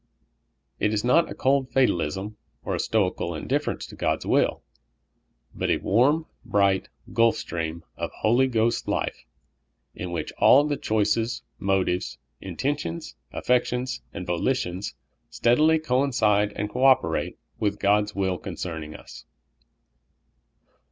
It is not a cold fatalism or stocial indifference to God's will, but a warm, bright gulf stream of Hol,v Ghost life, in which all the choices, motives, intentions, affections, and volitions steadil} coincide and co operate with God's will concerning us.